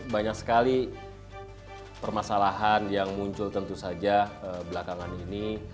banyak sekali permasalahan yang muncul tentu saja belakangan ini